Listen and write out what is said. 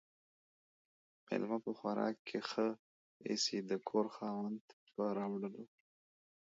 ميلمه په خوراک ِښه ايسي ، د کور خاوند ، په راوړلو.